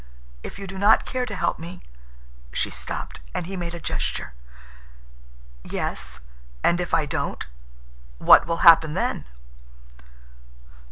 If you do not care to help me—" She stopped, and he made a gesture. "Yes, if I don't? What will happen then?"